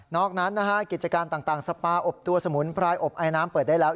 อกนั้นนะฮะกิจการต่างสปาอบตัวสมุนไพรอบไอน้ำเปิดได้แล้ว